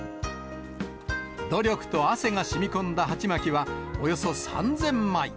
努力と汗がしみこんだはちまきは、およそ３０００枚。